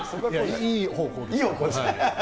いい方向ですね。